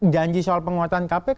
janji soal penguatan kpk